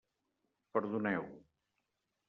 Perdoneu.